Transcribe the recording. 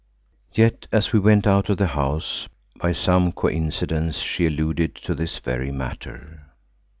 Yet as we went out of the house, by some coincidence she alluded to this very matter.